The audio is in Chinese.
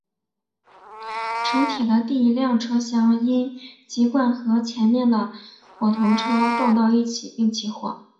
城铁的第一辆车厢因惯性和前面的火车头撞到一起并起火。